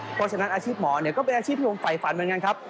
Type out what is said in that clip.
เพราะฉะนั้นอาชีพหมอเนี่ยก็เป็นอาชีพที่ผมฝ่ายฝันเหมือนกันครับ